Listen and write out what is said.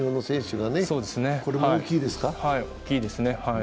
はい、大きいですね。